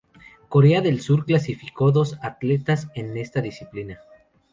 Corea del Sur clasificó dos atletas en esta disciplina.